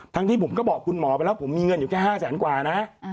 ที่ผมก็บอกคุณหมอไปแล้วผมมีเงินอยู่แค่๕แสนกว่านะ